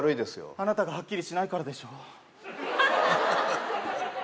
あなたがはっきりしないからでしょ